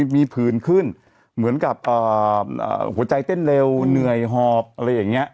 มีผื่นขึ้นเหมือนกับหัวใจเต้นเร็วเหนื่อยหอบอะไรอย่างนี้